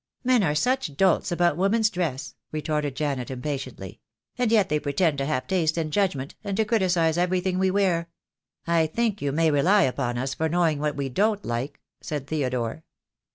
"Men are such dolts about women's dress," retorted Janet, impatiently; "and yet they pretend to have taste and judgment, and to criticize everything we wear." "I think you may rely upon us for knowing what we don't like," said Theodore.